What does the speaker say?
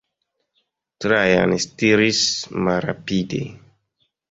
Trajan stiris malrapide.